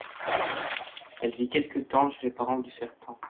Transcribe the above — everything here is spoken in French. Elle vit quelque temps chez les parents du serpent.